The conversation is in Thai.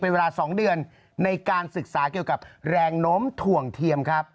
เป็นเวลา๒เดือนในการศึกษาเกี่ยวกับแรงโน้มถ่วงเทียมครับ